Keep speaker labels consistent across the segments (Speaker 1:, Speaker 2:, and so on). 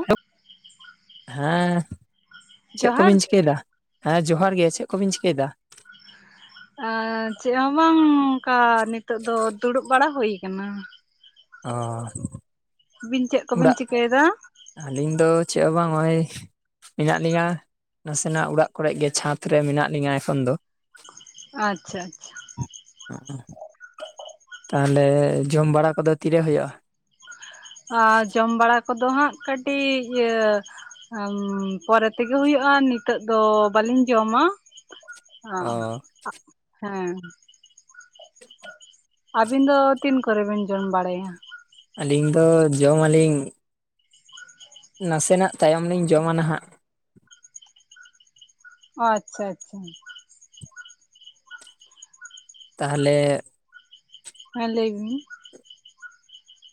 Speaker 1: Hello ᱦᱮᱸ, ᱪᱮᱫ
Speaker 2: ᱡᱚᱦᱟᱨ
Speaker 1: ᱠᱚᱵᱤᱱ
Speaker 2: ᱜᱮ
Speaker 1: ᱪᱤᱠᱟᱹᱭᱮᱫᱟ? ᱦᱮᱸ ᱡᱚᱦᱟᱨ ᱜᱮ ᱾ ᱪᱮᱫ ᱠᱚᱵᱤᱱ ᱪᱤᱠᱟᱹᱭᱮᱫᱟ?
Speaker 2: ᱟᱨ ᱪᱮᱫ ᱦᱚᱸ ᱵᱟᱝ ᱚᱱᱠᱟ ᱱᱤᱛᱚᱜ ᱫᱚ ᱫᱩᱲᱩᱵ ᱵᱟᱲᱟ ᱦᱩᱭ ᱟᱠᱟᱱᱟ ᱾
Speaker 1: ᱚᱻ
Speaker 2: ᱟᱵᱤᱱ ᱪᱮᱫ ᱠᱚᱵᱤᱱ ᱪᱤᱠᱟᱹᱭᱮᱫᱟ?
Speaker 1: ᱟᱹᱞᱤᱧ ᱫᱚ ᱪᱮᱫ ᱦᱚᱸ ᱵᱟᱝ ᱦᱚᱜᱼᱚᱭ ᱤᱱᱟᱜ ᱱᱤᱭᱟᱸ, ᱱᱟᱥᱮᱱᱟᱜ ᱚᱲᱟᱜ ᱠᱚᱨᱮᱜ ᱜᱮ, ᱪᱷᱟᱸᱫᱽ ᱨᱮ, ᱢᱮᱱᱟᱜ ᱞᱤᱧᱟ ᱮᱠᱷᱚᱱ ᱫᱚ ᱾
Speaker 2: ᱟᱪᱪᱷᱟ ᱟᱪᱪᱷᱟ ᱾
Speaker 1: ᱣᱚᱸᱜ, ᱰᱮᱸᱼᱠᱚᱲ [unintelligible] ᱛᱟᱦᱚᱞᱮ, ᱡᱚᱢ ᱵᱟᱲᱟ ᱠᱚᱫᱚ, ᱛᱤᱨᱮ ᱦᱩᱭᱩᱜᱼᱟ?
Speaker 2: ᱟᱻ ᱡᱚᱢ ᱵᱟᱲᱟ ᱠᱚᱫᱚ ᱦᱟᱸᱜ, ᱠᱟᱹᱴᱤᱡ ᱤᱭᱟᱹ ᱟᱻᱢ ᱯᱚᱨᱮ ᱛᱮᱜᱮ, ᱦᱩᱭᱩᱜᱼᱟ, ᱱᱤᱛᱚᱜ ᱫᱚ, ᱵᱟᱹᱞᱤᱧ ᱡᱚᱢᱟ ᱾
Speaker 1: ᱚ
Speaker 2: ᱟᱸᱻᱜ ᱦᱮᱸ, ᱟᱹᱵᱤᱱ ᱫᱚ, ᱛᱤᱱ ᱠᱚᱨᱮ ᱵᱤᱱ, ᱡᱚᱢ ᱵᱟᱲᱟᱭᱟ?
Speaker 1: ᱟᱹᱞᱤᱧ ᱫᱚ, ᱡᱚᱢ ᱟᱞᱤᱧ ᱱᱟᱥᱮᱱᱟᱜ, ᱛᱟᱭᱚᱢ ᱞᱤᱧ, ᱡᱚᱢ ᱟᱻᱱᱷᱟᱜ ᱾
Speaker 2: ᱟᱪᱪᱷᱟ ᱟᱪᱪᱷᱟ ᱾
Speaker 1: ᱛᱟᱦᱟᱞᱮ
Speaker 2: ᱦᱮᱸ, ᱞᱟᱹᱭ ᱵᱤᱱ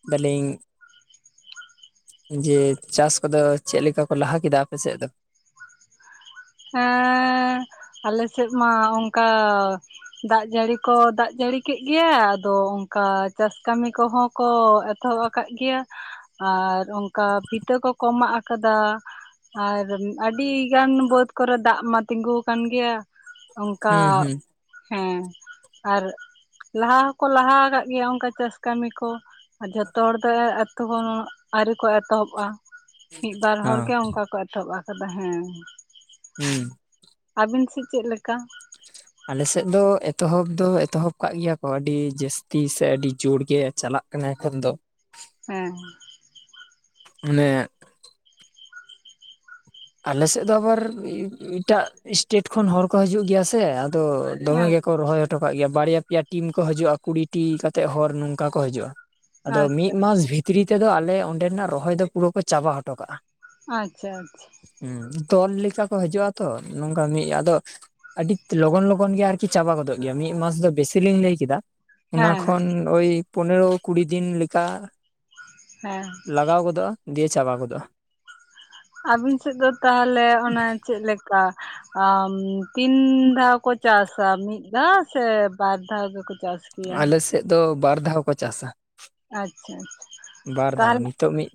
Speaker 1: ᱵᱟᱹᱞᱤᱧ ᱡᱮ, ᱪᱟᱥ ᱠᱚᱫᱚ, ᱪᱮᱫ? ᱞᱮᱠᱟ ᱠᱚ, ᱞᱟᱦᱟ ᱠᱮᱫᱟ ᱟᱯᱮᱥᱮᱫ ᱫᱚ ᱾
Speaker 2: ᱦᱮᱸᱻ, ᱟᱞᱮ ᱥᱮᱫ ᱢᱟ, ᱚᱱᱠᱟ ᱫᱟᱜ ᱡᱟᱹᱲᱤ ᱠᱚ, ᱫᱟᱜ ᱡᱟᱹᱲᱤ ᱠᱮᱫ ᱜᱮᱭᱟ, ᱟᱫᱚ ᱚᱱᱠᱟ, ᱪᱟᱥ ᱠᱟᱹᱢᱤ ᱠᱚᱦᱚᱸ ᱠᱚ, ᱮᱛᱚᱦᱚᱵ ᱟᱠᱟᱫ ᱜᱮᱭᱟ, ᱟᱨ ᱚᱱᱠᱟ ᱵᱤᱛᱟᱹ ᱠᱚ-ᱠᱚ, ᱢᱟᱜ ᱟᱠᱟᱫᱟ ᱾ ᱟᱨ, ᱟᱹᱰᱤ ᱜᱟᱱ ᱵᱟᱹᱫ ᱠᱚᱨᱮ ᱫᱟᱜ ᱢᱟ, ᱛᱤᱸᱜᱩ ᱟᱠᱟᱱ ᱜᱮᱭᱟ, ᱚᱱᱠᱟ
Speaker 1: ᱦᱩᱸ ᱦᱩᱸ
Speaker 2: ᱦᱮᱸᱻ, ᱟᱨ, ᱞᱟᱦᱟ ᱦᱚᱸᱠᱚ, ᱞᱟᱦᱟ ᱟᱠᱟᱫ ᱜᱮᱭᱟ, ᱚᱱᱠᱟ ᱪᱟᱥ ᱠᱟᱹᱢᱤ ᱠᱚ ᱾ ᱟᱨ ᱡᱷᱚᱛᱚ ᱦᱚᱲ ᱫᱚ, ᱟᱹᱛᱩ ᱦᱚᱲ ᱦᱚᱸ, ᱟᱹᱣᱨᱤ ᱠᱚ, ᱮᱛᱚᱦᱚᱵᱼᱟ ᱾ ᱢᱤᱫ ᱵᱟᱨ ᱦᱚᱲ
Speaker 1: ᱦᱚᱸ
Speaker 2: ᱜᱮ, ᱚᱱᱠᱟ ᱠᱚ, ᱮᱛᱚᱦᱚᱵ ᱟᱠᱟᱫᱟ ᱦᱮᱸ ᱾
Speaker 1: ᱦᱩᱸᱻ ᱾
Speaker 2: ᱟᱹᱵᱤᱱ ᱥᱮᱫ, ᱪᱮᱫ ᱞᱮᱠᱟ?
Speaker 1: ᱟᱞᱮ ᱥᱮᱫ ᱫᱚ, ᱮᱛᱚᱦᱚᱵ ᱫᱚ, ᱮᱛᱚᱦᱚᱵ ᱟᱠᱟᱜ ᱜᱮᱭᱟ ᱠᱚ, ᱟᱹᱰᱤ ᱡᱟᱹᱥᱛᱤ ᱥᱮ, ᱟᱹᱰᱤ ᱡᱳᱨ ᱜᱮ, ᱪᱟᱞᱟᱜ ᱠᱟᱱᱟᱭ, ᱮᱠᱷᱚᱱ ᱫᱚ ᱾
Speaker 2: ᱦᱮᱸᱻ ᱾
Speaker 1: ᱢᱟᱱᱮᱻ, ᱟᱞᱮ ᱥᱮᱫ ᱫᱚ, ᱟᱵᱟᱨ ᱮᱴᱟᱜ ᱮᱥᱴᱮᱴ ᱠᱷᱚᱱ ᱦᱚᱲ ᱠᱚ, ᱦᱤᱡᱩᱜ ᱜᱮᱭᱟ ᱥᱮ, ᱟᱫᱚ
Speaker 2: ᱦᱮᱸ
Speaker 1: ᱫᱚᱢᱮ
Speaker 2: ᱟᱪᱪᱷᱟ
Speaker 1: ᱜᱮ ᱠᱚ, ᱨᱚᱦᱚᱭ ᱦᱚᱴᱚ ᱠᱟᱜ ᱜᱮᱭᱟ ᱾ ᱵᱟᱨᱭᱟ ᱯᱮᱭᱟ ᱴᱤᱢ ᱠᱚ, ᱦᱤᱡᱩᱜᱼᱟ, ᱠᱩᱲᱤ ᱴᱤ ᱠᱟᱛᱮᱫ ᱦᱚᱲ, ᱱᱚᱝᱠᱟ ᱠᱚ, ᱦᱤᱡᱩᱜᱼᱟ ᱾ ᱟᱫᱚ,
Speaker 2: ᱟᱪᱪᱷᱟ
Speaker 1: ᱢᱤᱫ ᱢᱟᱥ ᱵᱷᱤᱛᱨᱤ ᱛᱮᱫᱚ, ᱟᱞᱮ ᱚᱸᱰᱮᱱᱟᱜ ᱨᱚᱦᱚᱭ ᱫᱚ, ᱯᱩᱨᱟᱹ ᱠᱚ, ᱪᱟᱵᱟ ᱦᱚᱴᱚ ᱠᱟᱜᱼᱟ ᱾
Speaker 2: ᱟᱪᱪᱷᱟ ᱟᱪᱪᱷᱟ ᱾
Speaker 1: ᱦᱩᱸᱻ, ᱫᱚᱞ ᱞᱮᱠᱟ ᱠᱚ, ᱦᱤᱡᱩᱜᱼᱟ ᱛᱚ, ᱱᱚᱝᱠᱟ ᱢᱤᱫ ᱟᱫᱚ, ᱟᱹᱰᱤ ᱞᱚᱜᱚᱱ, ᱞᱚᱜᱚᱱ ᱜᱮ, ᱟᱨᱠᱤ ᱪᱟᱵᱟ ᱜᱚᱫᱚᱜ ᱜᱮᱭᱟ, ᱢᱤᱫ ᱢᱟᱥ ᱫᱚ, ᱵᱮᱥᱤ ᱞᱤᱧ ᱞᱟᱹᱭ ᱠᱮᱫᱟ ᱾ ᱚᱱᱟ
Speaker 2: ᱦᱮᱸ
Speaker 1: ᱠᱷᱚᱱ, ᱳᱭ ᱯᱚᱱᱮᱨᱚ, ᱠᱩᱲᱤ ᱫᱤᱱ ᱞᱮᱠᱟ ᱾
Speaker 2: ᱦᱮᱸᱻ ᱾
Speaker 1: ᱞᱟᱜᱟᱣ ᱜᱚᱫᱚᱜᱼᱟ, ᱫᱤᱭᱮ ᱪᱟᱵᱟ ᱜᱚᱫᱚᱜᱼᱟ ᱾
Speaker 2: ᱟᱵᱤᱱ ᱥᱮᱫ ᱫᱚ ᱛᱟᱦᱚᱞᱮ, ᱚᱱᱮ ᱪᱮᱫ ᱞᱮᱠᱟ? ᱟᱻ ᱢ, ᱛᱤᱱ ᱫᱷᱟᱣ ᱠᱚ, ᱪᱟᱥᱟ ᱾ ᱢᱤᱫ ᱫᱷᱟᱣ ᱥᱮ, ᱵᱟᱨ ᱫᱷᱟᱣ ᱜᱮᱠᱚ ᱪᱟᱥ ᱜᱮᱭᱟ
Speaker 1: ᱟᱞᱮ ᱥᱮᱫ ᱫᱚ, ᱵᱟᱨ ᱫᱷᱟᱣ ᱠᱚ, ᱪᱟᱥᱟ ᱾
Speaker 2: ᱟᱪᱪᱷᱟ ᱟᱪᱪᱷᱟ ᱾
Speaker 1: ᱵᱟᱨ ᱫᱷᱟᱣ, ᱱᱤᱛᱚᱜ ᱢᱤᱫ,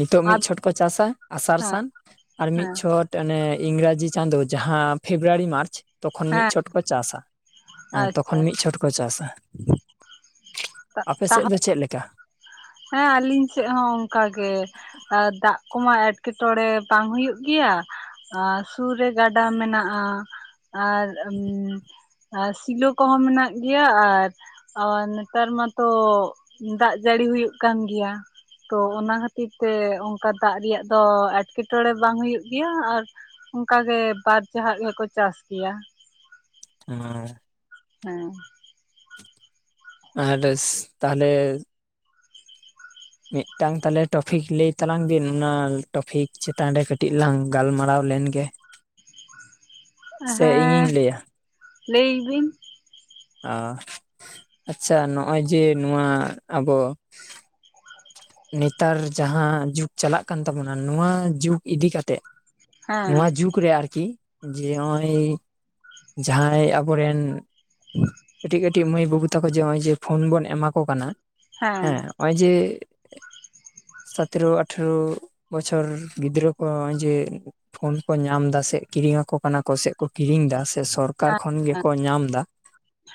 Speaker 1: ᱱᱤᱛᱚᱜ ᱢᱤᱫ
Speaker 2: ᱟᱯ
Speaker 1: ᱪᱷᱚᱴ ᱠᱚ, ᱪᱟᱥᱟ ᱟᱥᱟᱲ
Speaker 2: ᱦᱮᱸ
Speaker 1: ᱥᱟᱱ, ᱟᱨ ᱢᱤᱫ
Speaker 2: ᱦᱮᱸ
Speaker 1: ᱪᱷᱚᱴ ᱚᱱᱮ, ᱤᱝᱨᱮᱡᱤ ᱪᱟᱸᱫᱳ, ᱡᱟᱦᱟᱸ ᱯᱷᱮᱵᱽᱩᱣᱟᱨᱤ ᱢᱟᱨᱪ ᱛᱚᱠᱷᱚᱱ ᱢᱤᱫ
Speaker 2: ᱦᱮᱸ
Speaker 1: ᱪᱷᱚᱴ ᱠᱚ, ᱪᱟᱥᱟ ᱾ ᱦᱮᱸ,
Speaker 2: ᱟᱪᱪᱷᱟ
Speaker 1: ᱛᱚᱠᱷᱚᱱ ᱢᱤᱫ ᱪᱷᱚᱴ ᱠᱚ ᱪᱟᱥᱼᱟ ᱾ ᱟᱯᱮ ᱥᱮᱫ
Speaker 2: ᱛᱟᱦᱚᱞᱮ
Speaker 1: ᱫᱚ ᱪᱮᱫ ᱞᱮᱠᱟ?
Speaker 2: ᱦᱮᱸ, ᱟᱹᱞᱤᱧ ᱥᱮᱫ ᱦᱚᱸ ᱚᱱᱠᱟ ᱜᱮ, ᱫᱟᱜ ᱠᱚᱢᱟ ᱮᱸᱴᱠᱮᱴᱚᱬᱮᱸ ᱵᱟᱝ ᱦᱩᱭᱩᱜ ᱜᱮᱭᱟ᱾ ᱟᱨ ᱥᱩᱨ ᱨᱮ ᱜᱟᱰᱟ ᱢᱮᱱᱟᱜᱼᱟ᱾ ᱟᱨ ᱥᱤᱞᱳ ᱠᱚᱼᱦᱚᱸ ᱢᱮᱱᱟᱜ ᱜᱮᱭ-ᱟ ᱾ ᱟᱨ ᱟᱨ ᱱᱮᱛᱟᱨ ᱢᱟᱛᱚ ᱫᱟᱜ ᱡᱟᱹᱲᱤ ᱦᱩᱭᱩᱜ ᱠᱟᱱ ᱜᱮᱭᱟ᱾ ᱛᱳ ᱚᱱᱟ ᱠᱷᱟᱹᱛᱤᱨ ᱛᱮ, ᱚᱱᱠᱟ ᱫᱟᱜ ᱨᱮᱭᱟᱹᱜ ᱫᱚ, ᱮᱸᱴᱠᱮᱴᱚᱬᱮᱸ ᱵᱟᱝ ᱦᱩᱭᱩᱜ ᱜᱮᱭᱟ ᱾ᱟᱨ ᱚᱱᱠᱟ ᱜᱮ, ᱵᱟᱨ ᱡᱟᱦᱟ-ᱜ ᱜᱮᱠᱚ ᱪᱟᱥ ᱜᱮᱭᱟ᱾
Speaker 1: ᱦᱮᱸ
Speaker 2: ᱦᱮᱸ,
Speaker 1: ᱟᱨ ᱵᱮᱥ ᱛᱟᱦᱚᱞᱮ ᱢᱤᱫᱴᱟᱝ ᱛᱟᱦᱚᱞᱮ ᱴᱚᱯᱤᱠ ᱞᱟᱹᱭ ᱛᱟᱞᱟᱝ ᱵᱤᱱ ᱾ ᱚᱱᱟ ᱴᱚᱯᱷᱤᱠ ᱪᱮᱛᱟᱱ ᱨᱮ ᱠᱟᱹᱴᱤᱡ ᱞᱟᱝ ᱜᱟᱞᱢᱟᱨᱟᱣ ᱞᱮᱱ ᱜᱮ᱾ [inaudible]
Speaker 2: ᱦᱮᱸ ᱞᱟᱹᱭ ᱧᱤ ᱵᱤᱱ?
Speaker 1: ᱚ ᱟᱪᱪᱷᱟ ᱱᱚᱜᱼᱚᱭ ᱡᱮ ᱱᱚᱣᱟ ᱟᱵᱚ ᱱᱮᱛᱟᱨ ᱡᱟᱦᱟᱸ ᱡᱩᱜᱽ ᱪᱟᱞᱟᱜ ᱠᱟᱱ ᱛᱟᱵᱚᱱᱟ᱾ ᱱᱚᱣᱟ ᱡᱩᱜᱽ ᱤᱫᱤ ᱠᱟᱛᱮᱜ
Speaker 2: ᱦᱮᱸ
Speaker 1: ᱱᱚᱣᱟ ᱡᱩᱜᱽ ᱨᱮ ᱟᱨᱠᱤ, ᱡᱮ ᱱᱚᱜᱼᱚᱭ ᱡᱟᱦᱟᱸᱭ ᱟᱵᱚᱨᱮᱱ ᱠᱟᱹᱴᱤᱡ, ᱠᱟᱹᱴᱤᱡ ᱢᱟᱹᱭ ᱵᱟᱹᱵᱩ ᱛᱟᱠᱚ ᱡᱮ, ᱱᱚᱜᱼᱚᱭ ᱡᱮ, ᱯᱷᱳᱱ ᱵᱚᱱ ᱮᱢᱟ ᱠᱚ ᱠᱟᱱᱟ ᱾ᱦᱮᱸ ᱱᱚᱜ-ᱚᱭ ᱡᱮ ᱥᱟᱛᱮᱨᱳ, ᱟᱴᱷᱮᱨᱳ, ᱵᱚᱪᱷᱚᱨ ᱜᱤᱫᱽᱨᱟᱹ ᱠᱚ ᱡᱮ ᱯᱷᱳᱱ ᱠᱚ ᱧᱟᱢ ᱫᱟᱥᱮ, ᱠᱤᱨᱤᱧ ᱟᱠᱚ ᱠᱟᱱᱟ ᱠᱚ ᱥᱮ ᱠᱚ ᱠᱤᱨᱤᱧ ᱮᱫᱟ᱾ ᱥᱮ ᱥᱚᱨᱠᱟᱨ ᱠᱷᱚᱱ
Speaker 2: ᱦᱮᱸ
Speaker 1: ᱜᱮᱠᱚ ᱧᱟᱢ ᱮᱫᱟ᱾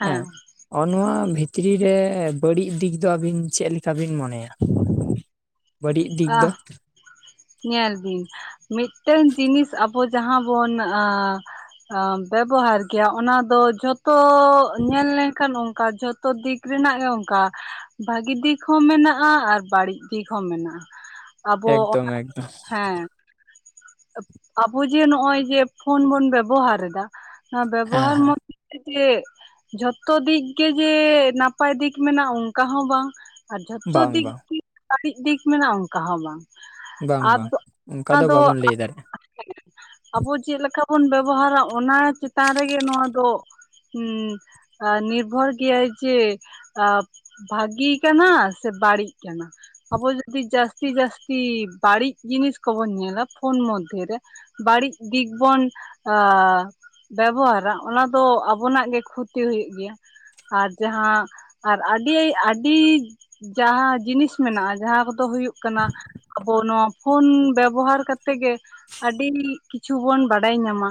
Speaker 1: ᱦᱮᱸ ᱱᱚᱜᱼᱚ ᱱᱚᱣᱟ ᱵᱷᱽᱤᱛᱨᱤ ᱨᱮ, ᱵᱟᱹᱲᱤᱡ ᱫᱤᱠ ᱫᱚ ᱟᱹᱵᱤᱱ ᱪᱮᱫ ᱞᱮᱠᱟ ᱵᱤᱱ, ᱢᱚᱱᱮᱭᱟ? ᱵᱟᱹᱲᱤᱡ ᱫᱤᱠ ᱫᱚ?
Speaker 2: ᱧᱮᱞ ᱵᱤᱱ, ᱢᱤᱫᱴᱮᱱ ᱡᱤᱱᱤᱥ ᱟᱵᱚ ᱡᱟᱦᱟᱸ ᱵᱚᱱ ᱟᱸ ᱟᱸ ᱵᱮᱵᱚᱦᱟᱨ ᱜᱮᱭ-ᱟ᱾ ᱚᱱᱟ ᱫᱚ ᱡᱷᱚᱛᱚ ᱧᱮᱞ ᱞᱮᱱᱠᱷᱟᱱ, ᱚᱱᱠᱟ ᱡᱷᱚᱛᱚ ᱫᱤᱠ ᱨᱮᱱᱟᱜ ᱜᱮ ᱚᱱᱠᱟ, ᱵᱷᱽᱟᱹᱜᱤ ᱫᱤᱠ ᱦᱚᱸ ᱢᱮᱱᱟᱜᱼᱟ᱾ ᱟᱨ ᱵᱟᱹᱲᱤᱡ ᱫᱤᱠ ᱦᱚᱸ ᱢᱮᱱᱟᱜᱼᱟ᱾ ᱟᱵᱚ
Speaker 1: ᱮᱠᱫᱚᱢ - ᱮᱠᱫᱚᱢ,
Speaker 2: ᱦᱮᱸ ᱟᱵᱚ ᱡᱮ ᱱᱚᱜ-ᱚᱭ ᱡᱮ, ᱯᱷᱳᱱ ᱵᱚᱱ ᱵᱮᱵᱚᱦᱟᱨ ᱮᱫᱟ ᱱᱚᱣᱟ
Speaker 1: ᱦᱮᱸ
Speaker 2: ᱵᱮᱵᱚᱦᱟᱨ ᱢ
Speaker 1: ᱦᱮᱸ
Speaker 2: ᱡᱮ ᱡᱚᱛᱚ ᱫᱤᱠ ᱜᱮ ᱡᱮ ᱱᱟᱯᱟᱭ ᱫᱤᱠ ᱢᱮᱱᱟᱜᱼᱟ᱾ ᱚᱱᱠᱟ ᱦᱚᱸ ᱵᱟᱝ? ᱟᱨ ᱡᱷᱚᱛᱚ
Speaker 1: ᱵᱟᱝ
Speaker 2: ᱫᱤᱠ
Speaker 1: ᱵᱟᱝ
Speaker 2: ᱫ [unintelligible] ᱵᱟᱹᱲᱤᱡ ᱫᱤᱠ ᱢᱮᱱᱟᱜᱼᱟ ᱚᱱᱠᱟ ᱦᱚᱸ ᱵᱟᱝ᱾
Speaker 1: ᱵᱟᱝ ᱵᱟᱝ
Speaker 2: ᱟᱫᱚ,
Speaker 1: ᱚᱱᱠᱟ
Speaker 2: ᱚᱱᱟ ᱫᱚ
Speaker 1: ᱵᱟᱵᱚᱱ ᱞᱟᱹᱭ ᱫᱟᱲᱮᱭᱟᱜᱼᱟ
Speaker 2: [unintelligible] ᱟᱵᱚ ᱪᱮᱫ ᱞᱮᱠᱟ ᱵᱚᱱ ᱵᱮᱵᱚᱦᱟᱨᱟ᱾ ᱚᱱᱟ ᱪᱮᱛᱟᱱ ᱨᱮᱜᱮ ᱱᱚᱣᱟ ᱫᱚ ᱦᱩᱸ ᱱᱤᱨᱵᱷᱚᱨ ᱜᱮᱭᱟᱭ ᱡᱮ ᱟ ᱵᱷᱽᱟᱹᱜᱤ ᱠᱟᱱᱟ ᱥᱮ, ᱵᱟᱹᱲᱤᱡ ᱠᱟᱱᱟ᱾ ᱟᱵᱚ ᱡᱩᱫᱤ ᱡᱟᱹᱥᱛᱤ - ᱡᱟᱹᱥᱛᱤ ᱛᱤᱥ ᱵᱟᱹᱲᱤᱡ ᱡᱤᱱᱤᱥ ᱠᱚᱵᱚᱱ ᱧᱮᱞᱟ᱾ ᱯᱷᱳᱱ ᱢᱚᱫᱽᱫᱷᱮ ᱨᱮ ᱵᱟᱹᱲᱤᱡ ᱫᱤᱠ ᱵᱚᱱ ᱵᱮᱵᱚᱦᱟᱨ-ᱟ ᱾ ᱚᱱᱟ ᱫᱚ ᱟᱵᱚᱱᱟᱜ ᱜᱮ, ᱠᱷᱚᱛᱤ ᱦᱩᱭᱩᱼᱜ ᱤᱧ ᱜᱮᱭᱟ᱾ ᱟᱨ ᱡᱟᱦᱟᱸ, ᱟᱨ ᱟᱹᱰᱤ - ᱟᱹᱰᱤ ᱡᱟᱦᱟᱸ ᱡᱤᱱᱤᱥ ᱢᱮᱱᱟᱜᱼᱟ᱾ ᱡᱟᱦᱟᱸ ᱠᱚᱼᱫᱚ ᱦᱩᱭᱩᱼᱜ ᱠᱟᱱᱟ᱾ ᱟᱵᱚ ᱱᱚᱣᱟ ᱯᱷᱳᱱ ᱵᱮᱵᱚᱦᱟᱨ ᱠᱟᱛᱮ ᱜᱮ, ᱟᱹᱰᱤ ᱠᱤᱪᱷᱩ ᱵᱚᱱ ᱵᱟᱰᱟᱭ ᱧᱟᱢᱟ᱾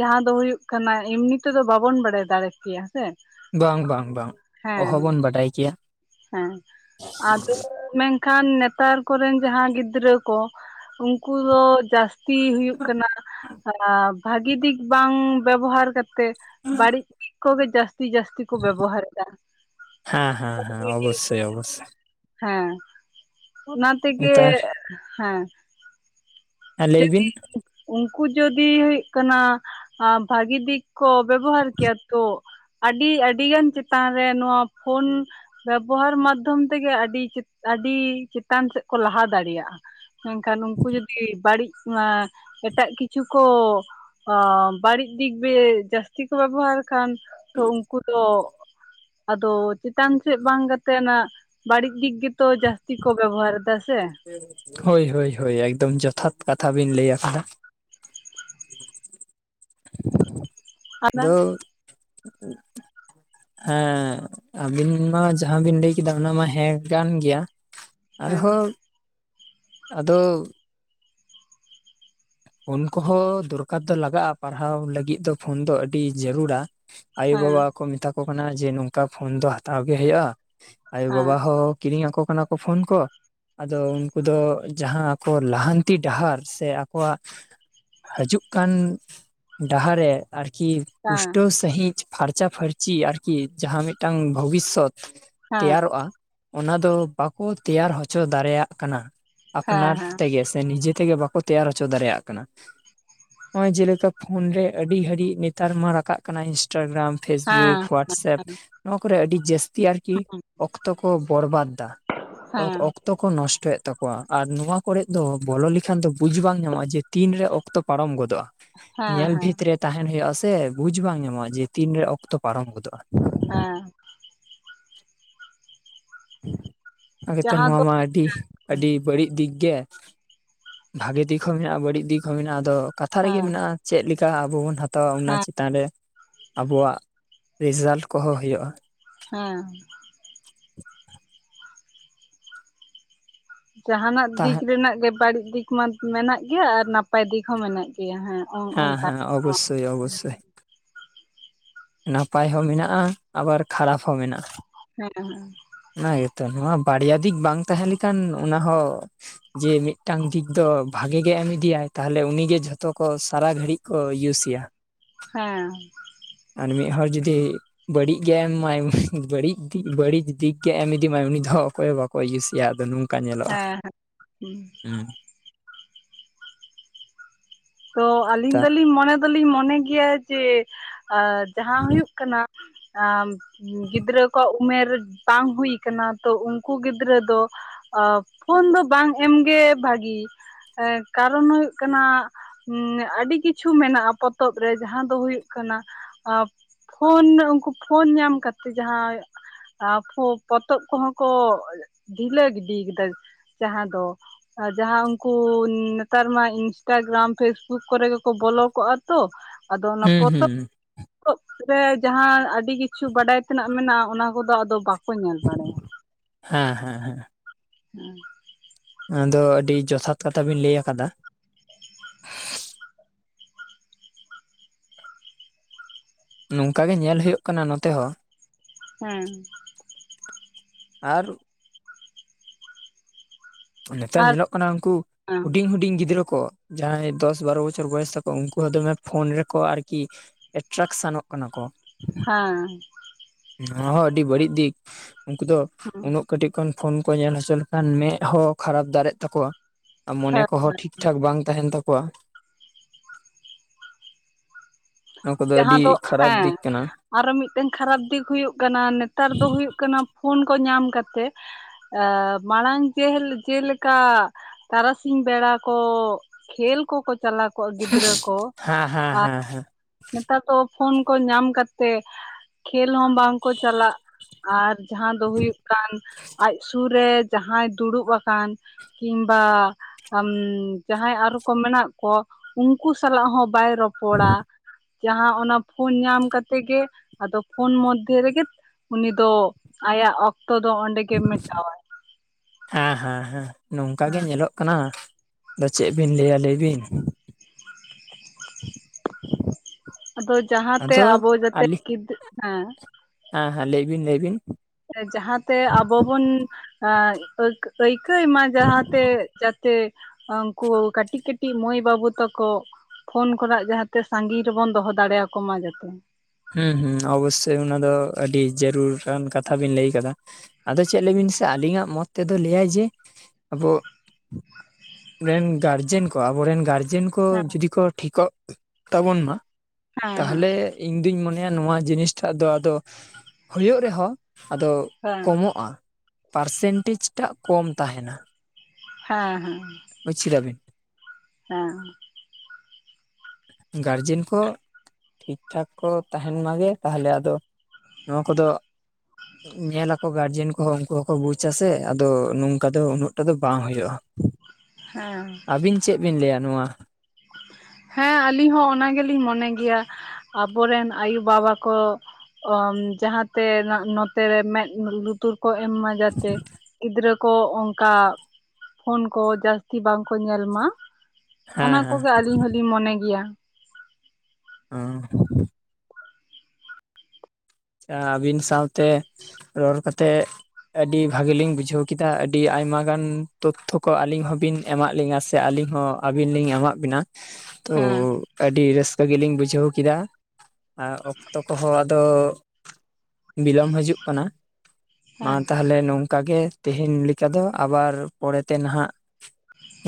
Speaker 2: ᱡᱟᱦᱟᱸ ᱫᱚ ᱦᱩᱭᱩᱼᱜ ᱠᱟᱱᱟ ᱾ ᱮᱢᱱᱤ ᱛᱮᱫᱚ ᱵᱟᱵᱚᱱ ᱵᱟᱲᱟᱭ ᱫᱟᱲᱮᱸ ᱠᱮᱭ-ᱟ᱾ ᱦᱮᱸ
Speaker 1: ᱵᱟᱝ ᱵᱟᱝ ᱵᱟᱝ
Speaker 2: ᱦᱮᱸ
Speaker 1: ᱚᱦᱚ ᱵᱚᱱ ᱵᱟᱰᱟᱭ ᱜᱮᱭᱟ
Speaker 2: ᱦᱮᱸ ᱟᱨ ᱢᱮᱱᱠᱷᱟᱱ ᱱᱮᱛᱟᱨ ᱠᱚᱨᱮᱱ ᱡᱟᱦᱟᱸ ᱜᱤᱫᱽᱨᱟᱹ ᱠᱚ, ᱩᱱᱠᱩ ᱫᱚ ᱡᱟᱹᱥᱛᱤ ᱛᱤ ᱦᱩᱭᱩᱜ ᱠᱟᱱᱟ ᱵᱷᱟᱹᱜᱤ ᱫᱤᱠ ᱵᱟᱝ ᱵᱮᱵᱚᱦᱟᱨ ᱠᱟᱛᱮ ᱵᱟᱹᱲᱤᱡ ᱫᱤᱠ ᱠᱚᱜᱮ ᱡᱟᱹᱥᱛᱤ ᱡᱟᱹᱥᱛᱤ ᱡᱟᱹᱥᱛᱤ ᱠᱚ ᱵᱮᱵᱚᱦᱟᱨ ᱮᱫᱟ᱾
Speaker 1: ᱦᱮᱸ ᱦᱮᱸ ᱦᱮᱸ ᱚᱵᱚᱥᱥᱳᱭ ᱚᱵᱚᱥᱥᱳᱭ
Speaker 2: ᱦᱮᱸ ᱚᱱᱟ ᱛᱮᱜᱮ
Speaker 1: ᱱᱮᱛᱟᱨ
Speaker 2: ᱦᱮᱸ,
Speaker 1: ᱦᱮᱸ, ᱞᱟᱹᱭ
Speaker 2: ᱪᱮᱫ
Speaker 1: ᱵᱤᱱ?
Speaker 2: ᱩᱱᱠᱩ ᱡᱚᱫᱤ ᱦᱩᱭᱩᱜ ᱠᱟᱱᱟ ᱵᱷᱟᱹᱜᱤ ᱫᱤᱠ ᱠᱚ ᱵᱮᱵᱚᱦᱟᱨ ᱠᱮᱭᱟ ᱛᱚ᱾ ᱟᱹᱰᱤ ᱟᱹᱰᱤᱜᱟᱱ ᱪᱮᱛᱟᱱ ᱨᱮ ᱱᱚᱣᱟ ᱯᱷᱳᱱ᱾ ᱵᱮᱵᱚᱦᱟᱨ ᱢᱟᱫᱽᱫᱷᱚᱢ ᱛᱮᱜᱮ ᱟᱹᱰᱤ ᱟᱹᱰᱤ ᱪᱮᱛᱟᱱ ᱥᱮᱫ ᱠᱚ ᱞᱟᱦᱟ ᱫᱟᱲᱮᱭᱟᱜᱼᱟ᱾ ᱢᱮᱱᱠᱷᱟᱱ ᱩᱱᱠᱩ ᱡᱩᱫᱤ ᱵᱟᱹᱲᱤᱡ ᱮᱴᱟᱜ ᱠᱤᱪᱷᱩ ᱠᱚ᱾ ᱚ ᱵᱟᱹᱲᱤᱡ ᱫᱤᱠ ᱨᱮ ᱡᱟᱹᱥᱛᱤ ᱠᱚ ᱵᱮᱵᱚᱦᱟᱨ᱾ ᱠᱟᱱ ᱛᱚ ᱩᱱᱠᱩ ᱫᱚ᱾ ᱟᱫᱚ ᱪᱮᱛᱟᱱ ᱥᱮᱫ ᱵᱟᱝ ᱠᱟᱛᱮᱜ ᱚᱱᱟ ᱵᱟᱟᱹᱲᱤᱡ ᱫᱤᱠ ᱜᱮᱛᱚ ᱡᱟᱹᱥᱛᱤ ᱠᱚ ᱵᱮᱵᱚᱦᱟᱨ ᱮᱫᱟ᱾ ᱥᱮ
Speaker 1: ᱦᱳᱭ ᱦᱳᱭ ᱦᱳᱭ ᱮᱠᱫᱚᱢ ᱡᱚᱛᱷᱟᱛ ᱠᱟᱛᱷᱟ ᱵᱤᱱ ᱞᱟᱹᱭ ᱟᱠᱟᱫᱟ᱾
Speaker 2: ᱟᱫᱚ
Speaker 1: [unintelligible] ᱦᱮᱸ᱾ ᱟᱹᱵᱤᱱ ᱢᱟ ᱡᱟᱦᱟᱸ ᱵᱤᱱ ᱞᱟᱹᱭ ᱠᱮᱫᱟ ᱚᱱᱟ ᱢᱟ ᱦᱮᱸ ᱠᱟᱱ ᱜᱮᱭᱟ᱾
Speaker 2: ᱦᱮᱸ
Speaker 1: ᱟᱨᱦᱚᱸ ᱟᱫᱚ ᱯᱷᱳᱱ ᱠᱚᱦᱚᱸ ᱫᱚᱨᱠᱟᱨ ᱫᱚ ᱞᱟᱜᱟᱜᱼᱟ᱾ ᱯᱟᱲᱦᱟᱣ ᱞᱟᱹᱜᱤᱫ ᱫᱚ ᱯᱷᱳᱱ ᱫᱚ ᱟᱹᱰᱤ ᱡᱟᱹᱨᱩᱲᱟ᱾ ᱟᱭᱳ
Speaker 2: ᱦᱮᱸ
Speaker 1: ᱵᱟᱵᱟ ᱠᱚ ᱢᱮᱛᱟ ᱠᱚ ᱠᱟᱱᱟ ᱡᱮ, ᱱᱚᱝᱠᱟ ᱯᱷᱳᱱ ᱫᱚ ᱦᱟᱛᱟᱣ ᱜᱮ ᱦᱩᱭᱩᱜ-ᱟ ᱟᱭᱳ ᱵᱟᱵᱟ
Speaker 2: ᱦᱮᱸ
Speaker 1: ᱦᱚᱸ ᱠᱤᱨᱤᱧ ᱟᱠᱚ ᱠᱟᱱᱟ ᱠᱚ ᱯᱷᱳᱱ ᱠᱚ᱾ ᱟᱫᱚ ᱩᱱᱠᱩ ᱫᱚ ᱡᱟᱦᱟᱸ ᱠᱚ ᱞᱟᱦᱟᱱᱛᱤ ᱰᱟᱦᱟᱨ ᱥᱮ ᱟᱠᱚᱣ-ᱟᱜ᱾ ᱦᱟᱡᱩᱜ ᱠᱟᱱ ᱰᱟᱦᱟᱨ ᱨᱮ ᱟᱨᱠᱤ
Speaker 2: ᱦᱮᱸ
Speaker 1: ᱯᱩᱥᱴᱟᱹᱣ ᱥᱟᱟᱹᱦᱤᱡ ᱯᱷᱟᱨᱪᱟ ᱯᱷᱷᱟᱨᱪᱤ ᱟᱨᱠᱤ ᱡᱟᱦᱟᱸ ᱢᱤᱫᱴᱟᱝ ᱵᱷᱚᱵᱤᱥᱥᱚᱛ
Speaker 2: ᱦᱮᱸ
Speaker 1: ᱛᱮᱭᱟᱨᱚᱜᱼᱟ᱾ ᱚᱱᱟ ᱫᱚ ᱵᱟᱠᱚ ᱛᱮᱭᱟᱨ ᱦᱚᱪᱚ ᱫᱟᱲᱮᱭᱟᱜ ᱠᱟᱱᱟ ᱟᱯᱱᱟᱨ
Speaker 2: ᱦᱮᱸ ᱦᱮᱸ
Speaker 1: ᱛᱮᱜᱮᱥ᱾ ᱥᱮ ᱱᱤᱡᱮ ᱛᱮᱜᱮ ᱵᱟᱠᱚ ᱛᱮᱭᱟᱨ ᱦᱚᱪᱚ ᱫᱟᱲᱮᱭᱟᱜ ᱠᱟᱱᱟ᱾ ᱱᱚᱜ ᱚᱭ ᱡᱮᱞᱮᱠᱟ ᱯᱷᱳᱱ ᱨᱮ ᱟᱹᱰᱤ ᱜᱷᱟᱹᱲᱤᱡ ᱱᱮᱛᱟᱨ ᱢᱟ ᱨᱟᱠᱟᱵ ᱠᱟᱱᱟ ᱤᱱᱥᱴᱟᱜᱨᱟᱢ᱾ ᱯᱷᱮᱥᱵᱩᱠ
Speaker 2: ᱦᱮᱸ
Speaker 1: ᱦᱳᱣᱟᱴᱥᱮᱯ ᱱᱚᱣᱟ ᱠᱚᱨᱮ ᱟᱹᱰᱤ ᱡᱟᱹᱥᱛᱤ ᱟᱨᱠᱤ ᱚᱠᱛᱚ ᱠᱚ ᱵᱚᱨᱵᱟᱫᱽ ᱫᱟ᱾
Speaker 2: ᱦᱮᱸ᱾
Speaker 1: ᱡᱚ ᱠᱚ ᱱᱚᱥᱴᱚᱭᱮᱫ ᱛᱟᱠᱚᱣᱟ ᱟᱨ ᱱᱚᱣᱟ ᱠᱚᱨᱮ ᱫᱚ ᱵᱚᱞᱚ ᱞᱮᱠᱷᱟᱱ ᱫᱚ ᱵᱩᱡ ᱵᱟᱝ ᱧᱟᱢᱚᱜᱼᱟ ᱡᱮ ᱛᱤᱱᱨᱮ ᱚᱠᱛᱚ ᱯᱟᱨᱚᱢ ᱜᱚᱫᱚᱜᱼᱟ,
Speaker 2: ᱦᱮᱸ
Speaker 1: ᱧᱮᱞ
Speaker 2: ᱦᱮᱸ
Speaker 1: ᱵᱷᱤᱛ ᱨᱮ ᱛᱟᱸᱦᱮᱱ ᱦᱩᱭᱩᱜ ᱟ ᱥᱮ ᱵᱩᱡᱽ ᱵᱟᱝ ᱧᱟᱢᱚᱜᱼᱟ ᱡᱮ ᱛᱤᱱᱨᱮ ᱚᱠᱛᱚ ᱯᱟᱨᱚᱢ ᱜᱚᱫᱚᱜᱼᱟ᱾
Speaker 2: ᱦᱮᱸ᱾
Speaker 1: ᱚᱱᱟ ᱜᱮᱛᱚ
Speaker 2: ᱡᱟᱦᱟᱸ
Speaker 1: ᱱᱚᱣᱟ
Speaker 2: ᱫᱚ
Speaker 1: ᱢᱟ ᱟᱹᱰᱤ ᱟᱹᱰᱤ ᱵᱟᱹᱲᱤᱡ ᱫᱤᱠ ᱜᱮ ᱵᱷᱟᱜᱮ ᱫᱤᱠ ᱦᱚᱸ ᱢᱮᱱᱟᱜᱼᱟ, ᱵᱟᱹᱲᱤᱡ ᱫᱤᱠ ᱦᱚᱸ ᱢᱮᱱᱟᱜᱼᱟ ᱟᱫᱚ ᱠᱟᱛᱷᱟ ᱨᱮᱜᱮ
Speaker 2: ᱦᱮᱸ
Speaker 1: ᱢᱮᱱᱟᱜᱼᱟ ᱪᱮᱫ ᱞᱮᱠᱟ ᱟᱵᱚ ᱵᱚᱱ ᱦᱟᱛᱟᱣᱟ ᱚᱱᱟ
Speaker 2: ᱦᱮᱸ
Speaker 1: ᱪᱮᱛᱟᱱ ᱨᱮ ᱟᱵᱚᱣᱟᱜ ᱨᱮᱡᱟᱞᱴ ᱠᱚᱦᱚᱸ ᱦᱩᱭᱩᱜᱼᱟ᱾
Speaker 2: ᱦᱮᱸ᱾ ᱡᱟᱦᱟᱸ ᱱᱟᱜ ᱫᱤᱠ
Speaker 1: ᱛᱟᱦᱮᱸ
Speaker 2: ᱨᱮᱱᱟᱜ ᱜᱮ ᱵᱟᱲᱤᱡ ᱫᱤᱠ ᱢᱟ ᱢᱮᱱᱟᱜ ᱜᱮᱭᱟ ᱟᱨ ᱱᱟᱯᱟᱭ ᱫᱤᱠ ᱦᱚᱸ ᱢᱮᱱᱟᱜ ᱜᱮᱭᱟ ᱦᱮᱸ ᱚᱝ ᱚᱝᱠᱟ
Speaker 1: ᱦᱮᱸ ᱚᱵᱚᱥᱥᱳᱭ ᱚᱵᱚᱥᱥᱳᱭ
Speaker 2: [unintelligible]
Speaker 1: ᱱᱟᱯᱟᱭ ᱦᱚᱸ ᱢᱮᱱᱟᱜᱼᱟ ᱟᱵᱟᱨ ᱠᱷᱟᱨᱟᱯ ᱦᱚᱸ ᱢᱮᱱᱟᱜᱼᱟ᱾
Speaker 2: ᱦᱮᱸ ᱦᱮᱸ᱾
Speaker 1: ᱚᱱᱟ ᱜᱮᱛᱚ ᱱᱚᱣᱟ ᱵᱟᱨᱭᱟ ᱫᱤᱠ ᱵᱟᱝ ᱛᱟᱦᱮᱸ ᱞᱮᱠᱷᱟᱱ ᱚᱱᱟ ᱦᱚᱸ ᱡᱮ ᱢᱤᱫᱴᱟᱝ ᱫᱤᱠ ᱫᱚ ᱵᱷᱟᱜᱮ ᱜᱮ ᱮᱢ ᱤᱫᱤᱭᱟᱭ ᱛᱟᱦᱞᱮ ᱩᱱᱤᱜᱮ ᱡᱷᱚᱛᱚ ᱠᱚ ᱥᱟᱨᱟ ᱜᱷᱟᱹᱲᱤᱡ ᱠᱚ ᱤᱭᱩᱥᱮᱭᱟ᱾ [unintelligible]
Speaker 2: ᱦᱮᱸ᱾
Speaker 1: ᱟᱨ ᱢᱤᱫ ᱦᱚᱲ ᱡᱩᱫᱤ ᱵᱟᱹᱲᱤᱡ ᱜᱮ ᱮᱢᱟᱭ ᱵᱟᱹᱲᱤᱡ ᱫᱤᱠ ᱵᱟᱹᱲᱤᱡ ᱫᱤᱠ ᱠᱮ ᱮᱢ ᱤᱫᱤᱢᱟᱭ ᱩᱱᱤ ᱫᱚ ᱚᱠᱚᱭ ᱵᱟᱠᱚ ᱤᱭᱩᱥᱮᱭᱟ ᱟᱫᱚ ᱱᱚᱝᱠᱟ ᱧᱮᱞᱚᱜᱼᱟ
Speaker 2: ᱦᱮᱸ ᱦᱮᱸ
Speaker 1: ᱦᱩᱸ
Speaker 2: ᱛᱚ ᱟᱹᱞᱤᱧ
Speaker 1: ᱛᱟ
Speaker 2: ᱫᱚᱞᱤᱧ ᱢᱚᱱᱮ ᱫᱚᱞᱤᱧ ᱢᱚᱱᱮ ᱜᱮᱭᱟ ᱡᱮ ᱮᱸ ᱡᱟᱦᱟᱸᱦᱩᱭᱩᱜ ᱠᱟᱱᱟ, ᱟᱢ ᱜᱤᱫᱽᱨᱟᱹ ᱠᱚᱣᱟᱜ ᱩᱢᱮᱨ ᱵᱟᱝ ᱦᱩᱭ ᱠᱟᱱᱟ ᱛᱚ ᱩᱱᱠᱩ ᱜᱤᱫᱽᱨᱟᱹ ᱫᱚ, ᱚᱸ ᱯᱷᱳᱱ ᱫᱚ ᱵᱟᱝ ᱮᱢᱜᱮ ᱵᱷᱟᱹᱜᱤ ᱮᱸ ᱠᱟᱨᱚᱱ ᱦᱩᱭᱩᱜ ᱠᱟᱱᱟ ᱩᱸ ᱟᱹᱰᱤ ᱠᱤᱪᱷᱩ ᱢᱮᱱᱟᱜᱼᱟ ᱯᱚᱛᱚᱵ ᱨᱮ ᱡᱟᱦᱟᱸ ᱫᱚ ᱦᱩᱭᱩᱜ ᱠᱟᱱᱟ ᱟᱯ ᱯᱷᱳᱱ ᱩᱱᱠᱩ ᱯᱷᱳᱱ ᱧᱟᱢ ᱠᱟᱛᱮ ᱡᱟᱦᱟᱸᱭ ᱟ ᱯᱚᱼᱯᱚᱛᱚᱵ ᱠᱚᱦᱚᱸ ᱠᱚ ᱰᱷᱤᱞᱟᱹ ᱜᱤᱰᱤ ᱠᱮᱫᱟ᱾ ᱡᱟᱦᱟᱸ ᱫᱚ ᱡᱟᱦᱟᱸ ᱩᱱᱠᱩ ᱱᱮᱛᱟᱨ ᱢᱟ ᱤᱱᱥᱴᱟ ᱜᱨᱟᱢ ᱯᱷᱮᱥᱵᱩᱠ ᱠᱚᱨᱮ ᱜᱮᱠᱚ ᱵᱚᱞᱚ ᱠᱚᱜᱼᱟ ᱛᱚ ᱟᱫᱚ ᱚᱱᱟ
Speaker 1: ᱦᱩᱸ ᱦᱩᱸ
Speaker 2: ᱯᱚᱛᱚᱵ ᱨᱮ ᱡᱟᱦᱟᱸ ᱟᱹᱰᱤ ᱠᱤᱪᱷᱩ ᱵᱟᱰᱟᱭ ᱛᱮᱱᱟᱜ ᱢᱮᱱᱟᱜᱼᱟ ᱚᱱᱟ ᱠᱚᱫᱚ ᱟᱫᱚ ᱵᱟᱠᱚ ᱧᱮᱞ ᱵᱟᱲᱟᱭᱟ᱾
Speaker 1: ᱦᱮᱸ ᱦᱮᱸ ᱦᱮᱸ,
Speaker 2: ᱦᱮᱸ
Speaker 1: ᱟᱫᱚ ᱟᱹᱰᱤ ᱡᱚᱛᱷᱟᱛ ᱠᱟᱛᱷᱟ ᱵᱤᱱ ᱞᱟᱹᱭ ᱟᱠᱟᱫᱟ᱾ ᱱᱚᱝᱠᱟ ᱜᱮ ᱧᱮᱞ ᱦᱩᱭᱩᱜ ᱠᱟᱱᱟ ᱱᱚᱛᱮ ᱦᱚᱸ
Speaker 2: ᱦᱮᱸ
Speaker 1: ᱟᱨᱩᱵ ᱱᱮᱛᱟᱨ
Speaker 2: ᱟᱨ
Speaker 1: ᱧᱮᱞᱚᱜ ᱠᱟᱱᱟ ᱩᱱᱠᱩ ᱦᱩᱸᱰᱤᱧ ᱦᱩᱸᱰᱤᱧ ᱜᱤᱫᱽᱨᱟᱹ ᱠᱚ ᱡᱟᱦᱟᱸᱭ ᱫᱚᱥ ᱵᱟᱨᱚ ᱵᱚᱪᱷᱚᱨ ᱵᱚᱭᱚᱥ ᱛᱟᱠᱚ ᱩᱱᱠᱩ ᱦᱚᱸ ᱫᱚᱢᱮ ᱯᱷᱳᱱ ᱨᱮᱠᱚ ᱟᱨᱠᱤ ᱮᱴᱨᱟᱠᱥᱮᱱᱚᱜ ᱠᱟᱱᱟ ᱠᱚ᱾
Speaker 2: ᱦᱟᱸ
Speaker 1: ᱱᱚᱣᱟ ᱦᱚᱸ ᱟᱹᱰᱤ ᱵᱟᱹᱲᱤᱜ ᱫᱤᱠ ᱩᱱᱠᱩ ᱫᱚ ᱩᱱᱟᱹᱜ ᱠᱟᱹᱴᱤᱜ ᱠᱚᱱ ᱯᱷᱳᱱ ᱠᱚ ᱧᱮᱞ ᱦᱚᱪᱚ ᱞᱮᱠᱷᱟᱱ ᱢᱮᱜ ᱦᱚᱸ ᱠᱷᱟᱨᱟᱯ ᱫᱟᱨᱮᱜ ᱛᱟᱠᱚᱣᱟ᱾ ᱟ ᱢᱚᱱᱮ
Speaker 2: ᱦᱮᱸ
Speaker 1: ᱠᱚᱦᱚᱸ ᱴᱷᱤᱠ ᱴᱷᱟᱠ ᱵᱟᱝ ᱛᱟᱦᱮᱸᱱ ᱛᱟᱠᱚᱣᱟ, ᱱᱚᱣᱟ ᱠᱚᱫᱚ
Speaker 2: ᱡᱟᱦᱟᱸ
Speaker 1: ᱟᱹᱰᱤ
Speaker 2: ᱫᱚ
Speaker 1: ᱠᱷᱟᱨᱟᱯ
Speaker 2: ᱦᱮᱸ
Speaker 1: ᱫᱤᱠ ᱠᱟᱱᱟ
Speaker 2: ᱟᱨᱚ ᱢᱤᱫᱴᱮᱱ ᱠᱷᱟᱨᱟᱯ ᱫᱤᱠ ᱦᱩᱭᱩᱜ ᱠᱟᱱᱟ ᱱᱮᱛᱟᱨ ᱫᱚ ᱦᱩᱭᱩᱜ ᱠᱟᱱᱟ ᱯᱷᱳᱱ ᱠᱚ ᱧᱟᱢ ᱠᱟᱛᱮ ᱢᱟᱲᱟᱝ ᱡᱮᱞᱼᱡᱮᱞᱮᱠᱟ ᱛᱟᱨᱟᱥᱤᱧ ᱵᱮᱲᱟ ᱠᱚ ᱠᱷᱮᱞ ᱠᱚᱠᱚ ᱪᱟᱞᱟᱣ ᱠᱚᱜᱼᱟ ᱜᱤᱫᱽᱨᱟᱹ ᱠᱚ,
Speaker 1: ᱦᱮᱸ ᱦᱮᱸ
Speaker 2: ᱟᱨ
Speaker 1: ᱦᱮᱸ ᱦᱮᱸ᱾
Speaker 2: ᱱᱮᱛᱟᱨ ᱫᱚ ᱯᱷᱳᱱ ᱠᱚ ᱧᱟᱢ ᱠᱟᱛᱮ ᱠᱷᱮᱞ ᱦᱚᱸ ᱵᱟᱝᱠᱚ ᱪᱟᱞᱟᱜ ᱟᱨ ᱡᱟᱦᱟᱸ ᱫᱚ ᱦᱩᱭᱩᱜ ᱠᱟᱱ ᱟᱡᱽ ᱥᱩᱨ ᱨᱮ ᱡᱟᱦᱟᱸᱭ ᱫᱩᱲᱩᱵ ᱟᱠᱟᱱ ᱠᱤᱱᱵᱟ ᱟᱢ ᱡᱟᱦᱟᱸᱭ ᱟᱨᱚ ᱠᱚ ᱢᱮᱱᱟᱜ ᱠᱚ ᱩᱱᱠᱩ ᱥᱟᱞᱟᱜ ᱦᱚᱸ ᱵᱟᱭ ᱨᱚᱯᱚᱲᱟ᱾ ᱡᱟᱦᱟᱸ ᱚᱱᱟ ᱯᱷᱳᱱ ᱧᱟᱢ ᱠᱟᱛᱮ ᱜᱮ ᱟᱫᱚ ᱯᱷᱳᱱ ᱢᱚᱫᱫᱷᱮ ᱨᱮᱜᱮ ᱩᱱᱤ ᱫᱚ, ᱟᱭᱟᱜ ᱚᱠᱛᱚ ᱫᱚ ᱚᱸᱰᱮ ᱜᱮ ᱢᱮᱴᱟᱣᱟᱭ᱾
Speaker 1: ᱦᱮᱸ ᱦᱮᱸ ᱦᱮᱸ ᱱᱚᱝᱠᱟ ᱜᱮ
Speaker 2: ᱦᱮᱸ
Speaker 1: ᱧᱮᱞᱚᱜ ᱠᱟᱱᱟ᱾ ᱟᱫᱚ ᱪᱮᱜ ᱵᱤᱱ ᱞᱟᱹᱭᱟ ᱞᱟᱹᱭ ᱵᱤᱱ?
Speaker 2: [inaudible]
Speaker 1: [inaudible]
Speaker 2: ᱟᱫᱚ ᱡᱟᱦᱟᱸᱛᱮ
Speaker 1: ᱟᱫᱚ
Speaker 2: ᱟᱵᱚ ᱡᱟᱛᱮ
Speaker 1: ᱟᱞᱤ
Speaker 2: ᱠᱤᱫᱟᱹᱜ ᱦᱮᱸ
Speaker 1: ᱦᱮᱸ ᱦᱮᱸ ᱞᱟᱹᱭ ᱵᱤᱱ ᱞᱟᱹᱭ ᱵᱤᱱ?
Speaker 2: ᱡᱟᱦᱟᱸᱛᱮ ᱟᱵᱚᱵᱚᱱ ᱟᱸᱠ ᱟᱹᱭᱠᱟᱹᱭᱮᱢᱟ ᱡᱟᱦᱟᱸᱛᱮ ᱡᱟᱛᱮ ᱩᱱᱠᱩ ᱠᱟᱹᱴᱤᱜ ᱠᱟᱹᱴᱤᱜ ᱢᱟᱹᱭ ᱵᱟᱹᱵᱩ ᱛᱟᱠᱚ ᱯᱷᱚᱱ ᱠᱷᱚᱱᱟᱜ ᱡᱟᱦᱟᱸᱛᱮ ᱥᱟᱺᱜᱤᱧ ᱨᱮᱵᱚᱱ ᱫᱚᱦᱚᱸ ᱫᱟᱲᱮᱣ ᱠᱚᱢᱟ ᱡᱟᱛᱮ᱾
Speaker 1: ᱦᱩᱸ ᱦᱩᱸ ᱚᱵᱚᱥᱥᱚᱭ ᱚᱱᱟ ᱫᱚ ᱟᱹᱰᱤ ᱡᱟᱹᱨᱩᱲᱟᱱ ᱠᱟᱛᱷᱟ ᱵᱤᱱ ᱞᱟᱹᱭ ᱠᱟᱫᱟ᱾ ᱟᱫᱚ ᱪᱮᱫ ᱞᱟᱹᱭ ᱵᱤᱱ ᱥᱮ ᱟᱹᱞᱤᱧᱟᱜ ᱢᱚᱛ ᱛᱮᱫᱚ ᱞᱟᱹᱭᱟᱭ ᱡᱮ ᱟᱵᱚ ᱨᱮᱱ ᱜᱟᱨᱡᱮᱱ ᱠᱚ, ᱟᱵᱚᱨᱮᱱ ᱜᱟᱨᱡᱮᱱ ᱠᱚ
Speaker 2: ᱦᱮᱸ
Speaker 1: ᱡᱩᱫᱤ ᱠᱚ ᱴᱷᱤᱠᱚᱜ ᱛᱟᱵᱚᱱ ᱢᱟ
Speaker 2: ᱦᱮᱸ
Speaker 1: ᱛᱟᱦᱞᱮ ᱤᱧ ᱫᱩᱧ ᱢᱚᱱᱮᱭᱟ ᱱᱚᱣᱟ ᱡᱤᱱᱤᱥᱴᱟᱜ ᱫᱚ ᱟᱫᱚ ᱦᱩᱭᱩᱜ ᱨᱮᱦᱚᱸ ᱟᱫᱚ
Speaker 2: ᱦᱮᱸ
Speaker 1: ᱠᱚᱢᱚᱜᱼᱟ ᱯᱟᱨᱥᱮᱱᱴᱮᱡᱽ ᱴᱟᱜ ᱠᱚᱢ ᱛᱟᱦᱮᱱᱟ᱾
Speaker 2: ᱦᱮᱸ ᱦᱮᱸ᱾
Speaker 1: ᱵᱩᱡ ᱠᱮᱫᱟ ᱵᱤᱱ?
Speaker 2: ᱦᱮᱸ᱾
Speaker 1: ᱜᱟᱨᱡᱮᱱ ᱠᱚ ᱴᱷᱤᱠ ᱴᱷᱟᱠ ᱠᱚ ᱛᱟᱦᱮᱱ ᱢᱟᱜᱮ ᱛᱟᱦᱞᱮ ᱟᱫᱚ ᱱᱚᱣᱟ ᱠᱚᱫᱚ ᱧᱮᱞ ᱟᱠᱚ᱾ ᱜᱟᱨᱡᱮᱱ ᱠᱚᱦᱚᱸ ᱩᱱᱠᱩ ᱦᱚᱸᱠᱚ ᱵᱩᱡ ᱥᱮ ᱟᱫᱚ ᱱᱚᱝᱠᱟ ᱫᱚ ᱩᱱᱟᱹᱜ ᱴᱟ ᱫᱚ ᱵᱟᱝ ᱦᱳᱭᱳᱜᱼᱟ᱾
Speaker 2: ᱦᱮᱸ᱾
Speaker 1: ᱟᱹᱵᱤᱱ ᱪᱮᱫ ᱵᱤᱱ ᱞᱟᱹᱭᱟ ᱱᱚᱣᱟ
Speaker 2: ᱦᱮᱸ ᱟᱹᱞᱤᱧ ᱦᱚᱸ ᱚᱱᱟ ᱜᱮᱸᱞᱤᱧ ᱢᱚᱱᱮ ᱜᱮᱭᱟ, ᱟᱵᱚᱨᱮᱱ ᱟᱭᱩ ᱵᱟᱵᱟ ᱠᱚ ᱚᱢ ᱡᱟᱦᱟᱸᱛᱮ ᱱᱟᱜ ᱱᱚᱛᱮᱨᱮ ᱢᱮᱫ ᱞᱩᱛᱩᱨ ᱠᱚ ᱮᱢ ᱢᱟ ᱡᱟᱛᱮ ᱜᱤᱫᱽᱨᱟᱹ ᱠᱚ ᱚᱱᱠᱟ ᱯᱷᱳᱱ ᱠᱚ ᱡᱟᱹᱥᱛᱤ ᱵᱟᱝᱠᱚ ᱧᱮᱞ ᱢᱟ᱾ ᱚᱱᱟ
Speaker 1: ᱦᱮᱸ
Speaker 2: ᱟᱞᱤᱧ ᱦᱚᱞᱤᱧ ᱢᱚᱱᱮ ᱜᱤᱭᱟ᱾
Speaker 1: ᱦᱟᱸ᱾ ᱟᱹᱵᱤᱱ ᱥᱟᱶᱛᱮ ᱨᱚᱨ ᱠᱟᱛᱮᱜ ᱟᱹᱰᱤ ᱵᱷᱟᱜᱮ ᱞᱤᱧ ᱵᱩᱡᱷᱟᱹᱣ ᱠᱮᱫᱟ ᱟᱹᱰᱤ ᱟᱭᱢᱟ ᱜᱟᱱ ᱛᱚᱛᱛᱷᱚ ᱠᱚ ᱟᱹᱞᱤᱧ ᱦᱚᱸᱵᱤᱱ ᱮᱢᱟᱜ ᱞᱤᱧᱟ ᱥᱮ ᱟᱹᱞᱤᱧ ᱦᱚᱸ ᱟᱹᱵᱤᱱ ᱞᱤᱧ ᱮᱢᱟᱜ ᱵᱤᱱᱟ᱾ ᱛᱷᱳ
Speaker 2: ᱦᱮᱸ
Speaker 1: ᱟᱹᱰᱤ ᱨᱟᱹᱥᱠᱟᱹ ᱜᱮᱞᱤᱧ ᱵᱩᱡᱷᱟᱹᱣ ᱠᱮᱫᱟ᱾ ᱟ ᱚᱠᱛᱚ ᱠᱚᱦᱚᱸ ᱟᱫᱚ ᱵᱤᱞᱚᱢ ᱦᱟᱹᱡᱩᱜ ᱠᱟᱱᱟ ᱢᱟ
Speaker 2: ᱦᱮᱸ
Speaker 1: ᱛᱟᱦᱚᱞᱮ ᱱᱚᱝ ᱠᱟᱜᱮ ᱛᱮᱦᱮᱱ ᱞᱮᱠᱟ ᱫᱚ ᱟᱵᱟᱨ ᱯᱚᱨᱮ ᱛᱮ ᱱᱟᱦᱟᱜ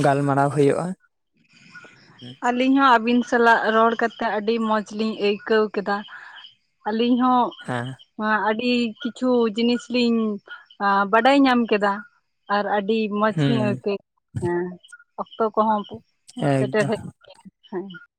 Speaker 1: ᱜᱟᱞᱢᱟᱨᱟᱣ ᱦᱳᱭᱳᱜᱼᱟ᱾ [inaudible]
Speaker 2: ᱟᱹᱞᱤᱧ ᱦᱚᱸ ᱟᱹᱵᱤᱱ ᱥᱟᱞᱟᱜ ᱨᱚᱲ ᱠᱟᱛᱮᱫ ᱟᱹᱰᱤ ᱢᱚᱸᱡᱽ ᱞᱤᱧ ᱟᱹᱭᱠᱟᱹᱣ ᱠᱮᱫᱟ᱾ ᱟᱹᱞᱤᱧ ᱦᱚᱸ
Speaker 1: ᱦᱮᱸ?
Speaker 2: ᱟᱹᱰᱤ ᱠᱤᱪᱷᱩ ᱡᱤᱱᱤᱥ ᱞᱤᱧ ᱟ ᱵᱟᱰᱟᱭ ᱧᱟᱢ ᱠᱮᱫᱟ᱾ ᱟᱨ ᱟᱹᱰᱤ ᱢᱚᱸᱡᱽ ᱞᱤᱧ
Speaker 1: ᱦᱩᱸ
Speaker 2: ᱟᱹᱭᱠᱟᱹ ᱦᱮᱸ ᱚᱠᱛᱚ ᱠᱚᱦᱚᱸ ᱥᱮᱴᱮᱨ
Speaker 1: ᱮᱠᱫᱚᱢ
Speaker 2: ᱦᱮᱡ ᱮᱱᱟ ᱦᱮᱸ᱾